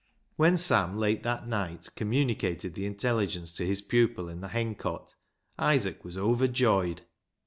When Sam late that night communicated the intelligence to his pupil in the hencote, Isaac was overjoyed.